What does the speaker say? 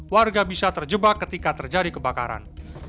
warga bisa terjebak ketika terjadi kebakaran